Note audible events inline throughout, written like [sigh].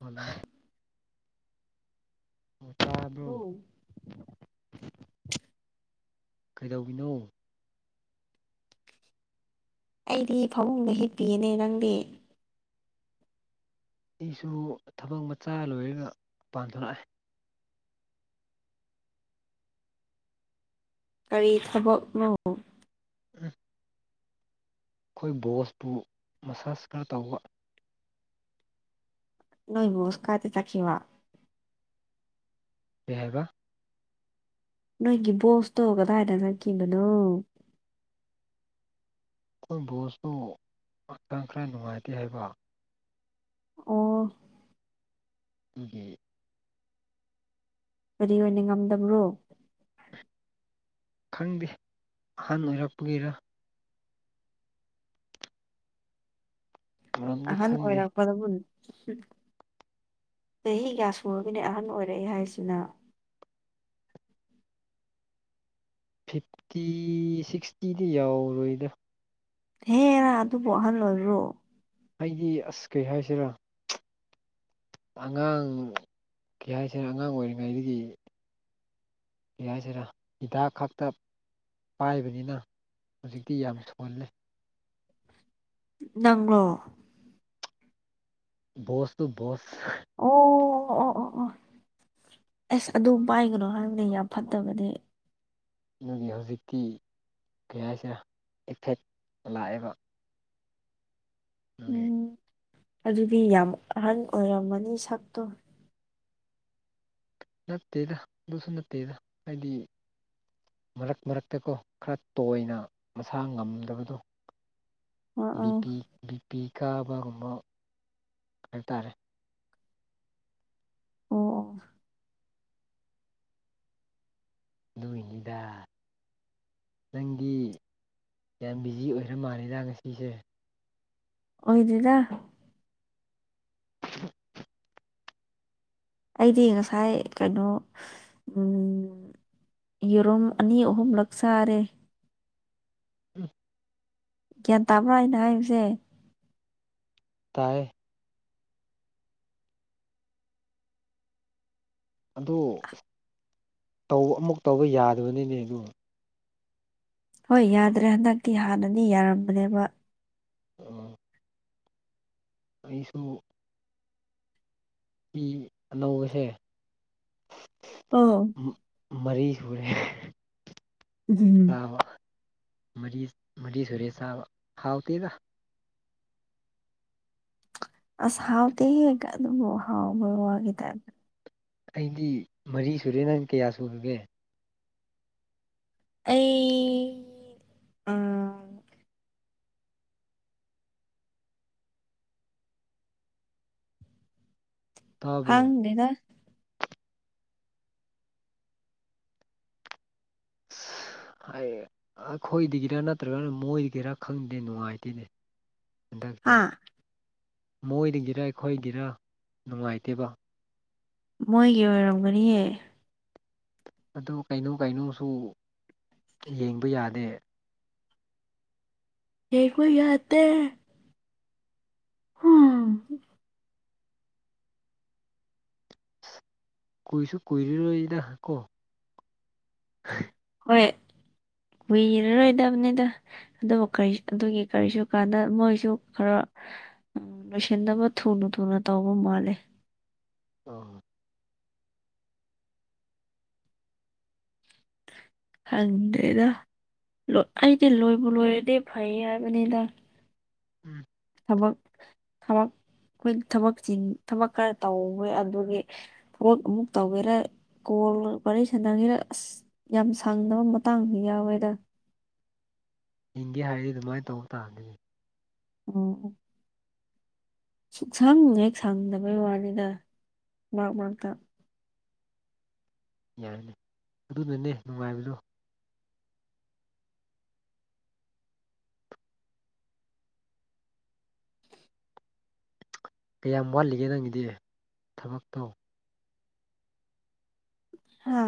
Hello ꯑꯣ ꯅꯣ ꯇꯥꯕ꯭ꯔꯣ ꯀꯩꯗꯧꯔꯤꯅꯣ꯫ ꯑꯩꯗꯤ ꯐꯃꯨꯡꯗ ꯍꯤꯞꯄꯤꯌꯦꯅꯦ ꯅꯪꯗꯤ꯫ ꯑꯩꯁꯨ ꯊꯕꯛ ꯃꯆꯥ ꯂꯣꯏꯔꯒ ꯄꯥꯟꯊꯣꯛꯑꯦ꯫ ꯀꯔꯤ ꯊꯕꯛꯅꯣ꯫ [unintelligible] ꯈꯣꯏ ꯕꯣꯁꯄꯨ ꯃꯁꯥꯁ ꯈꯔ ꯇꯧꯕ꯫ ꯅꯣꯏ ꯕꫭꯁ ꯀꯥꯏꯗ ꯆꯠꯈꯤꯕꯥ꯫ ꯀꯩ ꯍꯥꯏꯕ꯫ ꯅꯣꯏꯒꯤ ꯕꯣꯁꯇꯣ ꯀꯗꯥꯏꯗ ꯆꯠꯈꯤꯕꯅꯣ ꯑꯩꯈꯣꯏ ꯕꯣꯁꯇꯨ ꯍꯛꯆꯥꯡ ꯈꯔ ꯅꯨꯡꯉꯥꯏꯇꯦ ꯍꯥꯏꯕ ꯑꯣ ꯏꯍꯦ ꯀꯔꯤ ꯑꯣꯏꯅ ꯉꯝꯗꯕ꯭ꯔꯣ ꯈꯪꯗꯦ ꯑꯍꯟ ꯑꯣꯏꯔꯛꯄꯒꯤꯔꯥ ꯃꯔꯝꯗꯤ ꯑꯍꯟ ꯈꯪꯗꯦ ꯑꯣꯏꯔꯞ [unintelligible] ꯆꯍꯤ ꯀꯌꯥ ꯁꯨꯔꯒꯦꯅꯦ ꯑꯍꯟ ꯑꯣꯏꯔꯛꯏ ꯍꯥꯏꯁꯤꯅ ꯐꯤꯞꯇꯤ ꯁꯤꯛꯁꯇꯤꯗꯤ ꯌꯥꯎꯔꯣꯏꯗ ꯍꯦꯔꯥ ꯑꯗꯨꯕꯨ ꯑꯍꯜ ꯑꯣꯏꯕ꯭ꯔꯣ ꯑꯩꯗꯤ ꯑꯁ ꯀꯩ ꯍꯥꯏꯁꯤꯔꯥ ꯑꯉꯥꯡ ꯀ꯭ꯔꯤ ꯍꯥꯏꯁꯤꯔꯥ ꯑꯉꯥꯡ ꯑꯣꯏꯔꯤꯉꯩꯗꯒꯤ ꯀꯔꯤ ꯍꯥꯏꯁꯤꯔ ꯍꯤꯗꯥꯛ ꯈꯛꯇ ꯄꯥꯏꯕꯅꯤꯅ ꯍꯧꯖꯤꯛꯇꯤ ꯌꯥꯝ ꯁꯣꯜꯂꯦ ꯅꯪꯂꯣ ꯕꯣꯁ ꯇꯨ ꯕꯣꯁ ꯑꯣ ꯑꯣ ꯑꯣ ꯑꯣ ꯑꯁ ꯑꯗꯨ ꯄꯥꯏꯒꯅꯣ ꯍꯥꯏꯕꯅꯦ ꯌꯥꯝ ꯐꯠꯇꯕꯗꯤ ꯑꯗꯨꯒꯤ ꯍꯧꯖꯤꯛꯇꯤ ꯀꯩ ꯍꯥꯏꯁꯤꯔꯥ ꯏꯐꯦꯠ ꯂꯥꯛꯑꯦꯕ [unintelligible] ꯎꯝ ꯑꯗꯨꯗꯤ ꯌꯥꯝ ꯑꯍꯟ ꯑꯣꯏꯔꯝꯃꯅꯤ ꯁꯛꯇꯣ ꯅꯠꯇꯦꯗ ꯑꯗꯨꯁꯨ ꯅꯠꯇꯦꯗ ꯍꯥꯏꯗꯤ ꯃꯔꯛ ꯃꯔꯛꯇꯀꯣ ꯈ꯭ꯔ ꯇꯣꯏꯅ ꯃꯁꯥ ꯉꯝꯗꯕꯗꯣ ꯑ ꯑ ꯑꯣ ꯕꯤꯄꯤ ꯕꯤꯄꯤ ꯀꯥꯕꯒꯨꯝꯕ ꯍꯥꯏꯇꯥꯔꯦ ꯑꯣ ꯑꯗꯨꯒꯤꯅꯤꯗ ꯅꯪꯗꯤ ꯌꯥꯝ ꯕꯤꯖꯤ ꯑꯣꯏꯔ ꯃꯥꯜꯂꯤꯗ ꯉꯁꯤꯁꯦ ꯑꯣꯏꯗꯦꯗ ꯍ ꯑꯩꯗꯤ ꯉꯁꯥꯏ ꯀꯩꯅꯣ ꯎꯝ ꯌꯦꯔꯨꯝ ꯑꯅꯤ ꯑꯍꯨꯝꯂꯛ ꯆꯥꯔꯦ [unintelligible] ꯒ꯭ꯌꯥꯟ ꯇꯥꯕ꯭ꯔꯥ ꯑꯩꯅ ꯍꯥꯏꯕꯁꯦ ꯇꯥꯏꯌꯦ ꯑꯗꯨ ꯑꯃꯨꯛ ꯇꯧꯕ ꯌꯥꯗꯕꯅꯤꯅꯦ ꯑꯗꯨ ꯍꯣꯏ ꯌꯥꯗ꯭ꯔꯦ ꯍꯟꯗꯛꯇꯤ ꯍꯥꯟꯅꯅꯤ ꯌꯥꯔꯝꯕꯅꯦꯕ [unintelligible] ꯑꯩꯁꯨ꯫ ꯐꯤ ꯑꯅꯧꯕꯁꯦ꯫ ꯑꯣ꯫ ꯃꯔꯤ ꯁꯨꯔꯦ ꯎꯝ ꯆꯥꯕ꯫ ꯃꯔꯤ ꯃꯔꯤꯁꯨꯔꯦ ꯆꯥꯕ ꯍꯥꯎꯇꯦꯗ꯫ ꯑꯁ ꯍꯥꯎꯇꯦꯍꯦ ꯑꯗꯨꯕꯨ ꯍꯥꯎꯕ ꯋꯥꯠꯂꯤꯗ꯫ ꯑꯩꯗꯤ ꯃꯔꯤ ꯁꯨꯔꯦ ꯅꯪ ꯀꯌꯥ ꯁꯨꯔꯒꯦ꯫ ꯑꯩ ꯇ ꯇꯥꯕ꯭ꯔꯣ ꯈꯪꯗꯦꯗ [unintelligible] ꯍꯥꯏꯌꯦ ꯑꯩꯈꯣꯏꯗꯒꯤꯔ ꯅꯠꯇ꯭ꯔꯒꯅ ꯃꯣꯏꯗꯒꯤꯔ ꯈꯪꯗꯗꯦ ꯅꯨꯡꯉꯥꯏꯇꯦꯅꯦ ꯍꯟꯗꯛꯁꯦ ꯍꯥꯥ ꯃꯣꯏꯗꯒꯤꯔ ꯑꯩꯈꯣꯏꯒꯤꯔ ꯅꯨꯡꯉꯥꯏꯇꯦꯕ ꯃꯣꯏꯒꯤ ꯑꯣꯏꯔꯝꯒꯅꯤꯍꯦ ꯑꯗꯨ ꯀꯩꯅꯣ ꯀꯩꯅꯣꯁꯨ ꯌꯦꯡꯕ ꯌꯥꯗꯦ꯫ ꯌꯦꯡꯕ ꯌꯥꯇꯦ꯫ [unintelligible] ꯀꯣꯏꯁꯨ ꯀꯣꯏꯔꯔꯣꯏꯗ ꯀꯣ꯫ ꯍꯣꯏ ꯀꯨꯏꯔꯔꯣꯏꯗꯕꯅꯤꯗ꯫ ꯑꯗꯨꯕꯨ ꯀꯔꯤ ꯑꯗꯨꯒꯤ ꯀꯔꯤꯁꯨ ꯀꯥꯟꯗ ꯃꯣꯏꯁꯨ ꯈꯔ꫰꫰ ꯂꯣꯏꯁꯤꯟꯅꯕꯥ ꯊꯨꯅ ꯊꯨꯅ ꯇꯧꯕ ꯃꯥꯜꯂꯦ꯫ [unintelligible] ꯈꯪꯗꯔꯦꯗ ꯑꯩꯗꯤ ꯂꯣꯏꯕꯨ ꯂꯣꯏꯔꯗꯤ ꯐꯩꯌꯦ ꯍꯥꯏꯕꯅꯤꯗ꯫ ꯎꯝ꯫ ꯊꯕꯛ ꯊꯕꯛ ꯈꯣꯏ ꯊꯕꯛ ꯆꯤꯟ ꯊꯕꯛ ꯈꯔ ꯇꯧꯋꯦ ꯑꯗꯨꯒꯤ꯫ ꯄꯣꯠ ꯑꯃꯨꯛ ꯇꯧꯒꯦꯔꯥ ꯀꯣꯜ ꯋꯥꯔꯤ ꯁꯥꯟꯅꯒꯦꯔꯥ ꯑꯁ꯫ ꯌꯥꯝ ꯁꯪꯗꯕ ꯃꯇꯥꯡ ꯌꯥꯎꯋꯦꯗ꯫ ꯍꯤꯡꯒꯦ ꯍꯥꯏꯔꯗꯤ ꯑꯗꯨꯃꯥꯏꯅ ꯇꯧꯕ ꯇꯥꯕꯅꯤ꯫ ꯑꯣ ꯑꯣ꯫ ꯁꯨꯡꯁꯪ ꯍꯦꯛ ꯁꯥꯡꯗꯕꯩ ꯋꯥꯅꯤꯗ ꯃꯔꯛ ꯃꯔꯛꯇ꯫ ꯌꯥꯏꯅꯦ ꯑꯗꯨꯅꯅꯦ ꯅꯨꯡꯉꯥꯏꯕꯗꯣ꯫ ꯀꯌꯥꯝ ꯋꯥꯠꯂꯤꯒꯦ ꯅꯪꯒꯤꯗꯤ ꯊꯕꯛꯇꯣ꯫ ꯍꯥ꯫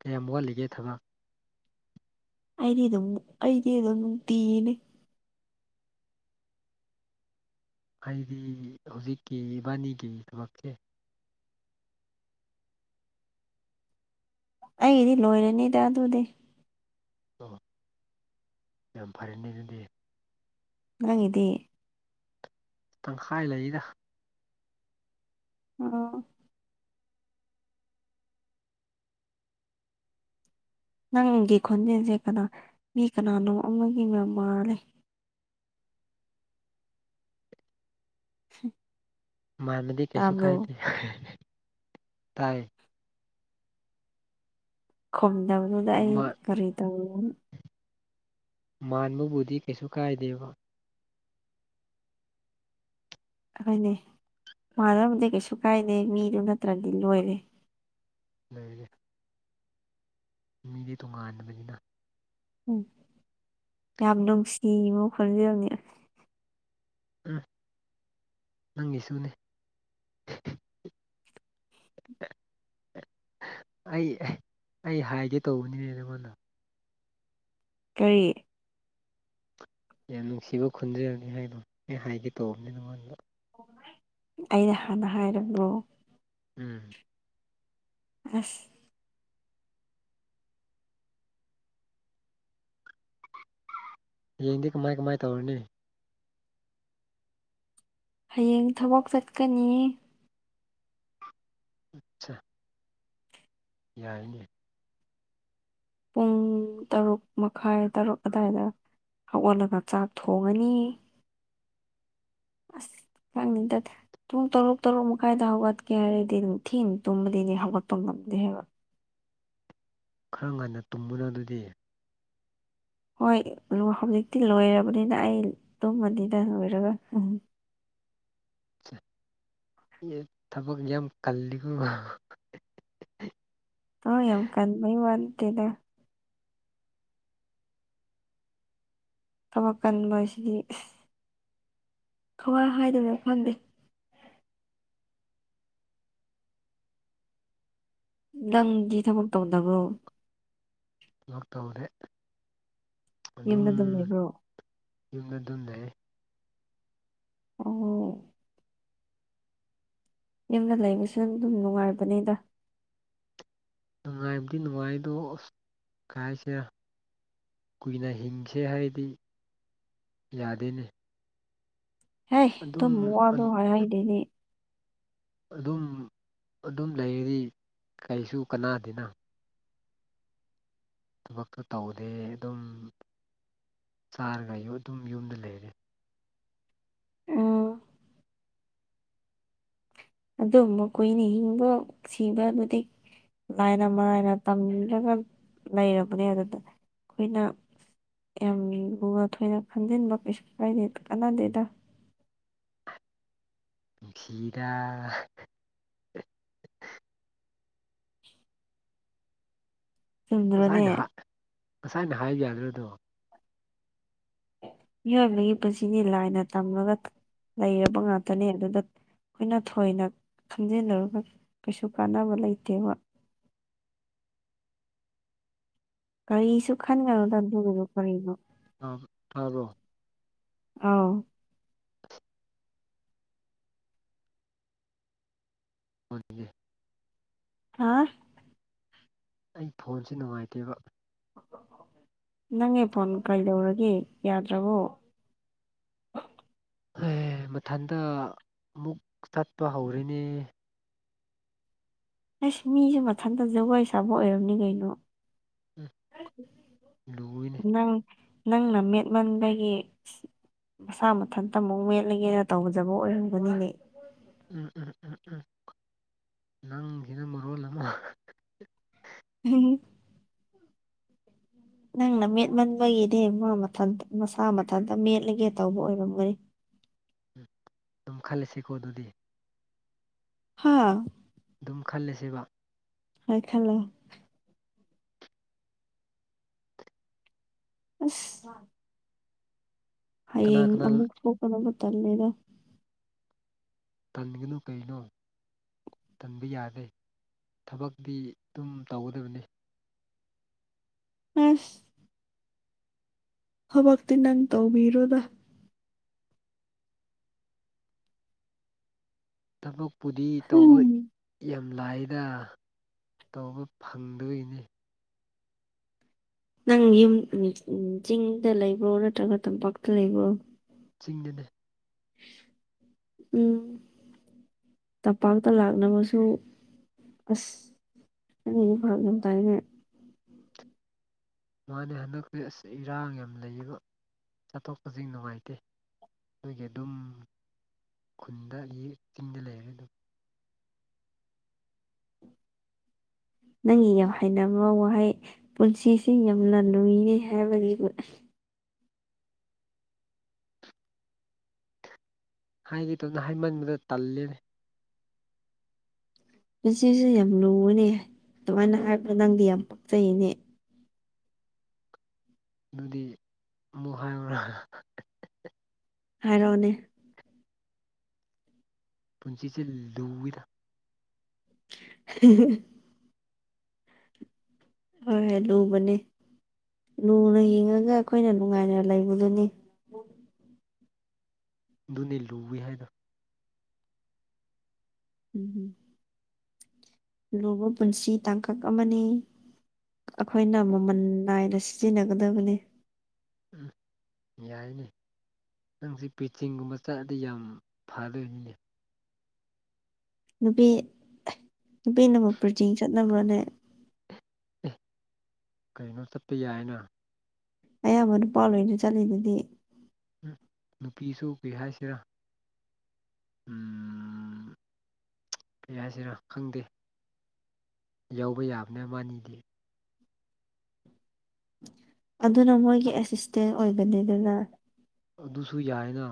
ꯀꯌꯥꯝ ꯋꯥꯠꯂꯤꯒꯦ ꯊꯕꯛ꯫ ꯑꯩꯗꯤ ꯑꯗꯨꯝ ꯑꯩꯗꯤ ꯑꯗꯨꯝ ꯅꯨꯡꯇꯤꯒꯤꯅꯤ꯫ ꯑꯩꯗꯤ ꯍꯧꯖꯤꯛꯀꯤ ꯏꯕꯥꯅꯤꯒꯤ ꯊꯕꯛꯁꯦ꯫ ꯑꯩꯒꯤꯗꯤ ꯂꯣꯏꯔꯅꯤꯗ ꯑꯗꯨꯗꯤ꯫ ꯑꯣ ꯌꯥꯝ ꯐꯔꯦꯅꯦ ꯑꯗꯨꯗꯤ꯫ ꯅꯪꯒꯤꯗꯤ꯫ ꯇꯪꯈꯥꯏ ꯂꯩꯔꯤꯗ꯫ ꯑꯣ꯫ ꯅꯪꯒꯤ ꯈꯣꯟꯖꯦꯜꯁꯦ ꯀꯅꯥ ꯃꯤ ꯀꯅꯥꯅꯣ ꯑꯃꯒꯤ ꯃꯌꯥꯝ ꯃꯥꯜꯂꯦ꯫ [unintelligible] ꯃꯥꯟꯕꯗꯤ ꯀꯩꯁꯨ ꯇꯥꯕ꯭ꯔꯣ ꯀꯥꯏꯗꯦ ꯇꯥꯏ꯫ ꯈꯨꯝꯗꯕꯗꯨꯗ ꯑꯩ ꯀꯔꯤ ꯇꯧꯔꯝꯅꯣ꯫ ꯃꯥꯟꯕꯕꯨꯗꯤ ꯀꯩꯁꯨ ꯀꯥꯏꯗꯦꯕ꯫ ꯑꯩꯈꯣꯏꯅꯤ ꯃꯥꯟꯅꯔꯝꯗꯤ ꯀꯩꯁꯨ ꯀꯥꯏꯗꯦ ꯃꯤꯗꯨ ꯅꯠꯇ꯭ꯔꯗꯤ ꯂꯣꯏꯔꯦ꯫ ꯂꯩꯔꯦ꯫ ꯃꯤꯗꯤ ꯇꯣꯉꯥꯟꯅꯕꯅꯤꯅ꫰꫰ ꯎꯝ ꯌꯥꯝ ꯅꯨꯡꯁꯤꯕ ꯈꯣꯟꯖꯦꯜꯅꯤ ꯑ ꯎꯝ ꯅꯪꯒꯤꯁꯨꯅꯦ ꯑꯩ ꯑꯩ ꯍꯥꯏꯒꯦ ꯇꯧꯕꯅꯤꯅꯦ ꯅꯪꯉꯣꯟꯗ ꯀꯔꯤ ꯌꯥꯝ ꯅꯨꯡꯁꯤꯕ ꯈꯨꯟꯖꯦꯜꯅꯤ ꯍꯥꯏꯕꯣ ꯑꯩ ꯍꯥꯏꯒꯦ ꯇꯧꯕꯅꯤ ꯅꯉꯣꯟꯗ ꯑꯩꯅ ꯍꯥꯟꯅ ꯍꯥꯏꯔꯕ꯭ꯔꯣ ꯎꯝ ꯑꯁ꯫ ꯍꯌꯦꯡꯗꯤ ꯀꯃꯥꯏ ꯀꯃꯥꯏ ꯇꯧꯔꯅꯤ꯫ ꯍꯌꯦꯡ ꯊꯕꯛ ꯆꯠꯀꯅꯤ꯫ ꯑꯆꯥ꯫ ꯌꯥꯏꯅꯦ꯫ ꯄꯨꯡ ꯇꯔꯨꯛ ꯃꯈꯥꯏ ꯇꯔꯨꯛ ꯑꯗꯥꯋꯥꯏꯗ ꯍꯧꯒꯠꯂꯒ ꯆꯥꯛ ꯊꯣꯡꯉꯅꯤ꯫ ꯑꯁ ꯈꯥꯡꯅꯤꯡꯗ꯫ ꯄꯨꯡ ꯇꯔꯨꯛ ꯇꯔꯨꯛ ꯃꯈꯥꯏꯗ ꯍꯧꯒꯠꯀꯦ ꯍꯥꯏꯔꯗꯤ ꯑꯗꯨꯝ ꯊꯦꯡꯅꯥ ꯇꯨꯝꯕꯗꯤ ꯍꯧꯒꯠꯄ ꯉꯝꯗꯦ ꯍꯥꯏꯕ ꯈꯔ ꯉꯟꯅ ꯇꯨꯝꯃꯨꯅ ꯑꯗꯨꯗꯤ ꯍꯣꯏ ꯍꯧꯖꯤꯛꯇꯤ ꯂꯣꯏꯔꯕꯅꯤꯅ ꯑꯩ ꯇꯨꯝꯃꯅꯤꯗ ꯂꯣꯏꯔꯒ ꯎꯝ ꯊꯕꯛ ꯌꯥꯝ ꯌꯥꯝ ꯀꯜꯂꯤ ꯀꯣ ꯑ ꯌꯥꯝ ꯀꯟ ꯃꯩ ꯋꯥꯇꯦꯗ ꯊꯕꯛ ꯀꯟꯕ ꯍꯥꯏꯁꯤꯗꯤ ꯀꯃꯥꯏ ꯍꯥꯏꯗꯧꯅꯣ ꯈꯪꯗꯦ ꯅꯪꯗꯤ ꯊꯕꯛ ꯇꯧꯗꯕ꯭ꯔꯣ ꯊꯕꯛ ꯇꯧꯗꯦ ꯑꯗꯨꯝ ꯌꯨꯝꯗ ꯂꯩꯕ꯭ꯔꯣ ꯌꯨꯝꯗ ꯑꯗꯨꯝ ꯂꯩ ꯑꯣ ꯌꯨꯝꯗ ꯂꯩꯕꯁꯨ ꯑꯗꯨꯝ ꯅꯨꯡꯉꯥꯏꯕꯅꯦꯗ ꯅꯨꯡꯉꯥꯏꯕꯗꯤ ꯅꯨꯡꯉꯥꯏ ꯑꯗꯣ ꯑꯁ ꯀꯩ ꯍꯥꯏꯁꯤꯔꯥ ꯀꯨꯏꯅ ꯍꯤꯡꯁꯦ ꯍꯥꯏꯔꯗꯤ ꯌꯥꯗꯦꯅꯤ ꯍꯦ ꯑꯗꯨꯒꯨꯝꯕ ꯋ꯭ꯗꯣ ꯍꯥꯏꯍꯩꯗꯦꯅꯦ ꯑꯗꯨꯝ ꯑꯗꯨꯝ ꯂꯩꯔꯗꯤ ꯀꯩꯁꯨ ꯀꯅꯥꯗꯦꯅ ꯊꯕꯛꯇꯣ ꯇꯧꯗꯦ ꯑꯗꯨꯝ ꯆꯥꯔꯒ ꯑꯗꯨꯝ ꯌꯨꯝꯗ ꯂꯩꯔꯦ ꯎꯝ ꯑꯗꯨ ꯀꯨꯏꯅ ꯍꯤꯡꯕ ꯄꯨꯟꯁꯤꯕꯕꯨꯗꯤ ꯂꯥꯏꯅ ꯃꯔꯥꯏꯅ ꯇꯝꯂꯒ ꯂꯩꯔꯕꯅꯦ ꯑꯗꯨꯗ ꯑꯩꯈꯣꯏꯅ ꯌꯥꯝ ꯒ ꯊꯣꯏꯅ ꯈꯟꯖꯤꯟꯕ ꯀꯩꯁꯨ ꯀꯥꯏꯗ ꯀꯥꯟꯅꯗꯦꯗ ꯐꯤꯗꯥ ꯆꯨꯝꯗ꯭ꯔꯣꯅꯦ ꯉꯁꯥꯏꯅ ꯉꯁꯥꯏꯅ ꯍꯥꯏꯕ ꯌꯥꯗ꯭ꯔꯗꯣ ꯃꯤꯑꯣꯏꯕꯒꯤ ꯄꯨꯟꯁꯤꯅꯤ ꯂꯥꯏꯅ ꯇꯝꯂꯒ ꯂꯩꯔꯕ ꯉꯥꯛꯇꯅꯦ ꯑꯗꯨꯗ ꯑꯩꯈꯣꯏꯅ ꯊꯣꯏꯅ ꯈꯟꯖꯤꯟꯅꯔꯒ ꯀꯩꯁꯨ ꯀꯥꯟꯅꯕ ꯂꯩꯇꯦꯕ ꯀꯔꯤꯁꯨ ꯈꯟꯒꯅꯣꯗ ꯑꯗꯨꯒꯤꯕꯨ ꯀꯔꯤꯅꯣ [unintelligible] ꯇꯥꯕ꯭ꯔꯣ ꯑꯧ ꯍꯦ ꯍꯥ ꯑꯩ ꯐꯣꯟꯁꯦ ꯅꯨꯡꯉꯥꯏꯇꯦꯕ ꯅꯪꯒꯤ ꯐꯣꯟ ꯀꯩꯗꯧꯔꯒꯦ ꯌꯥꯗ꯭ꯔꯕꯣ ꯑꯦ ꯃꯊꯟꯇ ꯑꯃꯨꯛ ꯇꯥꯠꯄ ꯍꯧꯔꯦꯅꯦ ꯑꯩꯁ ꯃꯤꯁꯨ ꯃꯊꯟꯇ ꯖꯒꯣꯏ ꯁꯥꯕ ꯑꯣꯏꯔꯝꯅꯤ ꯀꯩꯅꯣ ꯎꯝ ꯂꯨꯏꯅꯦ ꯅꯪ ꯅꯪꯅ ꯃꯦꯠꯃꯟꯕꯒꯤ ꯃꯁꯥ ꯃꯊꯟꯇ ꯃꯨꯛ ꯃꯦꯠꯂꯒꯦꯅ ꯇꯧꯖꯕ ꯑꯣꯏꯔꯝꯒꯅꯤꯅꯦ ꯎꯝ ꯎꯝ ꯎꯝ ꯎꯝ ꯅꯪꯁꯤꯅ ꯃꯔꯣꯜ ꯑꯃ [unintelligible] ꯅꯪꯅ ꯃꯦꯠꯃꯟꯕꯒꯤꯗꯤ ꯃꯥ ꯃꯊꯟꯇ ꯃꯁꯥ ꯃꯊꯟꯇ ꯃꯦꯠꯂꯒꯦ ꯇꯧꯕ ꯑꯣꯏꯔꯝꯒꯅꯤ ꯑꯗꯨꯝ ꯈꯜꯂꯁꯤꯀꯣ ꯑꯗꯨꯗꯤ ꯍꯥꯥ ꯑꯗꯨꯝ ꯈꯜꯂꯁꯦꯕ ꯍꫭꯏ ꯈꯜꯂꫭ ꯑꯁ ꯀꯅꯥ ꯍꯌꯦꯡ ꯀꯅꯥ ꯑꯃꯨꯛ ꯁꯣꯛꯀꯗꯕ ꯇꯜꯂꯦꯗ ꯇꯟꯒꯅꯨ ꯀꯩꯅꯣ ꯇꯟꯕ ꯌꯥꯗꯦ ꯊꯕꯛꯇꯤ ꯑꯗꯨꯝ ꯇꯧꯒꯗꯕꯅꯤ ꯎꯝ ꯊꯕꯛꯇꯤ ꯅꯪ ꯇꯧꯕꯤꯔꯣꯗ ꯊꯕꯛꯄꯨꯗꯤ ꯇꯧꯕ ꯌꯥꯝ ꯎꯝ ꯌꯥꯝ ꯂꯥꯏꯗ ꯇꯧꯕ ꯐꯪꯗꯕꯩꯅꯦ ꯅꯪ ꯌꯨꯝ ꯆꯤꯡꯗ ꯂꯩꯕ꯭ꯔꯣ ꯅꯠꯇ꯭ꯔꯒ ꯇꯝꯄꯥꯛꯇ ꯂꯩꯕ꯭ꯔꯣ ꯆꯤꯡꯗꯅꯦ ꯎꯝ ꯇꯝꯄꯥꯛꯇ ꯂꯥꯛꯅꯕꯁꯨ ꯑꯁ ꯅꯪꯒꯤꯁꯤ ꯐꯔꯛ ꯌꯥꯝ ꯇꯥꯏꯅꯦ ꯃꯥꯅꯦ ꯍꯟꯗꯛꯛꯇꯤ ꯑꯁ ꯏꯔꯥꯡ ꯌꯥꯝ ꯂꯩꯌꯦꯕ ꯆꯠꯊꯣꯛꯄꯁꯤ ꯅꯨꯡꯉꯥꯏꯇꯦ ꯅꫭꯏꯒꯤ ꯑꯗꯨꯝ ꯈꯨꯟꯗꯒꯤ ꯆꯤꯡꯗ ꯂꯩꯔꯗꯤ ꯅꯪꯒꯤ ꯌꯥꯝ ꯍꯅꯕ ꯋꯥꯍꯩ ꯄꯨꯟꯁꯤꯁꯤ ꯌꯥꯝꯅ ꯂꯨꯏꯅꯦ ꯍꯥꯏꯕꯒꯤ ꯍꯥꯏꯒꯦ ꯇꯧꯅꯦ ꯍꯥꯏꯃꯟꯕꯗ ꯇꯜꯂꯦꯅꯦ ꯄꯨꯟꯆꯦꯁꯤ ꯌꯥꯝ ꯂꯨꯕꯅꯦ ꯑꯗꯨꯃꯥꯏꯅ ꯍꯥꯏꯕ ꯅꯪꯗꯤ ꯌꯥꯝ ꯄꯛꯆꯩꯅꯦ ꯑꯗꯨꯗꯤ ꯑꯃꯨꯛ ꯍꯥꯏꯌꯨꯔ ꯍꯥꯏꯔꯛꯑꯣꯅꯦ ꯄꯨꯟꯁꯤꯁꯦ ꯂꯨꯏꯗ [unintelligible] ꯍꯣꯏ ꯍꯣꯏ ꯂꯨꯕꯅꯤ ꯂꯨꯅ ꯌꯦꯡꯉꯒ ꯑꯩꯈꯣꯏꯅ ꯅꯨꯡꯉꯥꯏꯅ ꯂꯩꯕꯗꯨꯅꯤ ꯑꯗꯨꯅꯦ ꯂꯨꯏ ꯍꯥꯏꯗꫭ ꯎꯝ ꯎꯝ ꯂꯨꯕ ꯄꯨꯟꯁꯤ ꯇꯥꯡꯀꯛ ꯑꯃꯅꯤ ꯑꯩꯈꯣꯏꯅ ꯃꯃꯜ ꯅꯥꯏꯅ ꯁꯤꯖꯤꯟꯅꯒꯗꯕꯅꯤ ꯎꯝ ꯌꯥꯏꯅꯦ ꯅꯪꯁꯦ ꯄꯤꯆꯤꯟꯒꯨꯝꯕ ꯆꯠꯑꯗꯤ ꯌꯥꯝ ꯐꯗꯣꯏꯅꯤꯅꯦ ꯅꯨꯄꯤ ꯅꯨꯄꯤꯅꯕꯨ ꯄꯨꯔꯆꯤꯡ ꯆꯠꯅꯕ꯭ꯔꯅꯦ ꯑꯦ ꯀꯩꯅꯣ ꯆꯠꯄ ꯌꯥꯏꯅ ꯑꯌꯥꯝꯕ ꯅꯨꯄꯥ ꯂꯣꯏꯅ ꯆꯠꯂꯤꯗꯨꯗꯤ ꯎꯝ ꯅꯨꯄꯤꯁꯨ ꯀꯩ ꯍꯥꯏꯁꯤꯔꯥ ꯎꯝ ꯀꯩ ꯍꯥꯏꯁꯤꯔꯣ ꯈꯪꯗꯦ ꯌꯥꯎꯕ ꯌꯥꯕꯅ ꯑꯃꯥꯅꯤꯗꯤ ꯑꯗꯨꯅ ꯃꯣꯏꯒꯤ ꯑꯦꯁꯤꯁꯇꯦꯟ ꯑꯣꯏꯕꯅꯤꯗꯅ ꯑꯗꯨꯁꯨ ꯌꯥꯏꯅ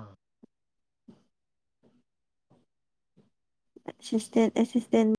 ꯁꯤꯁꯇꯦꯟ ꯑꯦꯁꯤꯁꯇꯦꯟ